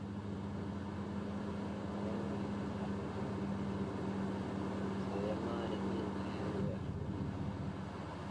Afalaŋa Tahpa ideŋ iɗel ma, zal yana ike ekehe ahala nda.